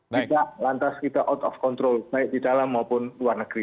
tidak lantas kita out of control baik di dalam maupun luar negeri